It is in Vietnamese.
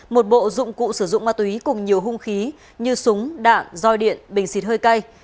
một bộ dụng cụ sử dụng ma túy cùng nhiều hung khí như súng đạn roi điện bình xịt hơi cay